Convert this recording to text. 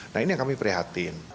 nah ini yang kami prihatin